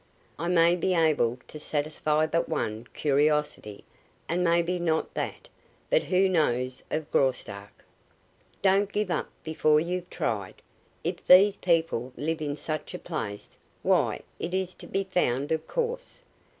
"I may be able to satisfy but one curiosity. And maybe not that. But who knows of Graustark?" "Don't give up before you've tried. If these people live in such a place, why, it is to be found, of course.